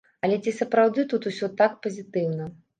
Але ці сапраўды тут усё так пазітыўна?